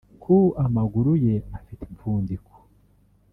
ku amaguru ye afite impfundiko